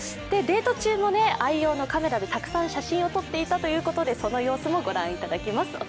デート中も愛用のカメラでたくさん写真を撮っていたということでその様子もご覧いただけます。